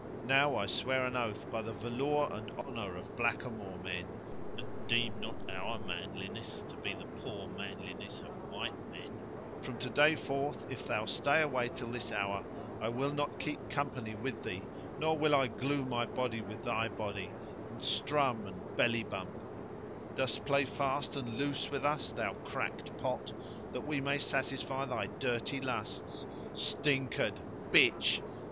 Now I swear an oath by the valour and honour of blackamoor men (and deem not our manliness to be ; the poor manliness of white men), from today forth if thou stay away till this hour, I will not keep company with thee nor will I glue my body with thy body and strum and belly bump Dost play fast and loose with us, thou cracked pot, that we may satisfy thy dirty lusts? stinkard! bitch!